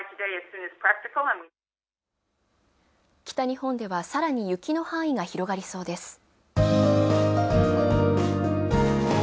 北日本ではさらに雪の範囲が広がりそうです。